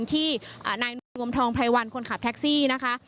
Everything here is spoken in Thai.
ที่นายนวลวงทองไพรวันคนขับแท็กซี่นะคะ